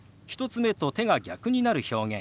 １つ目と手が逆になる表現。